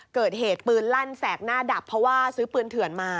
เกิดเหตุปืนลั่นแสกหน้าดับเพราะว่าซื้อปืนเถื่อนมา